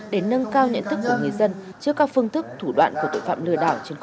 để nâng cao nhận thức của người dân